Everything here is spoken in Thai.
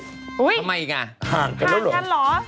ทำไมอีกน่ะห่างกันแล้วเหรออุ๊ยห่างกันเหรอ